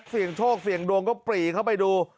เสียงโดกเสียงโดงก็ปลี่เข้าไปดู